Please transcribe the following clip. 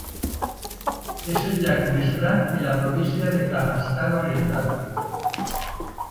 És el llac més gran en la Província del Kazakhstan Oriental.